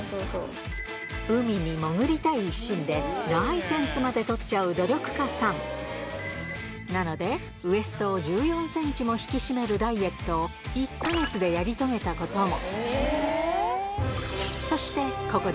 海に潜りたい一心でライセンスまで取っちゃう努力家さんなのでウエストを１４ｃｍも引き締めるダイエットを１か月でやり遂げたことも！